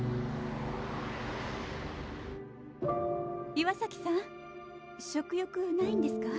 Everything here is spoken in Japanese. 岩崎さん食欲ないんですか？